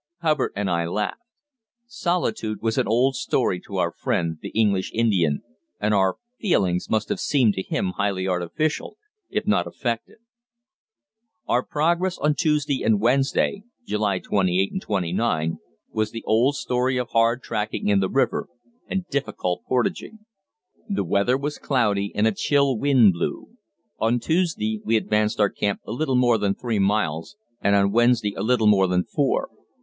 Hubbard and I laughed. Solitude was an old story to our friend, the English Indian, and our "feelings" must have seemed to him highly artificial, if not affected. Our progress on Tuesday and Wednesday (July 28 and 29) was the old story of hard tracking in the river and difficult portaging. The weather was cloudy and a chill wind blew. On Tuesday we advanced our camp a little more than three miles, and on Wednesday a little more than four.